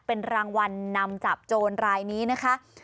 เป็นรางวัลนำจับโจรรายนี้นะคะ